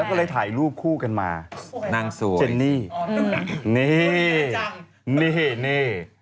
ไปที่ช่องมาแล้วก็เจอ